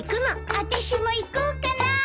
あたしも行こうかなー。